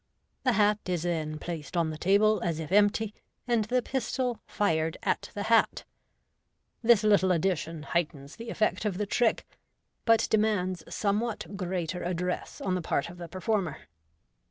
The hat is then placed on the table as if empty, and the pistol fired at the hat. This little addition heightens the effect of the trick, but demands somewhat greater address on the part of the performer.